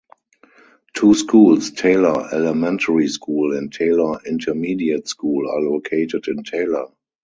Two schools, Taylor Elementary School and Taylor Intermediate School, are located in Taylor.